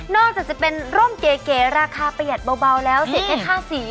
จากจะเป็นร่มเก๋ราคาประหยัดเบาแล้วเสร็จแค่ค่าสี